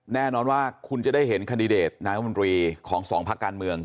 แน่นอนว่าคุณจะได้เห็นคันดิเดตนายมนตรีของสองพักการเมือง